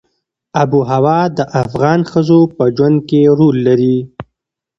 آب وهوا د افغان ښځو په ژوند کې رول لري.